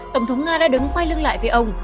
tổng thống nga đã đứng quay lưng lại với ông